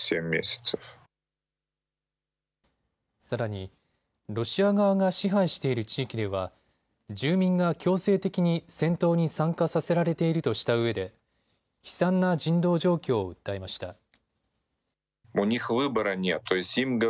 さらにロシア側が支配している地域では住民が強制的に戦闘に参加させられているとしたうえで悲惨な人道状況を訴えました。